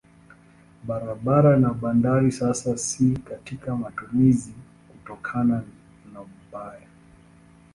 Barabara na bandari sasa si katika matumizi kutokana na mbaya.